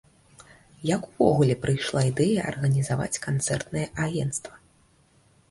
Як увогуле прыйшла ідэя арганізаваць канцэртнае агенцтва?